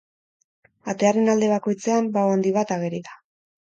Atearen alde bakoitzean, bao handi bat ageri da.